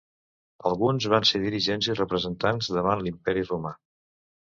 Alguns van ser dirigents i representants davant l'Imperi romà.